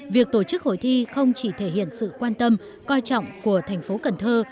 việc tổ chức hội thi không chỉ thể hiện sự quan tâm coi trọng của thành phố cần thơ